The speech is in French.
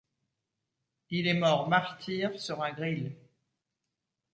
Il est mort martyr sur un gril.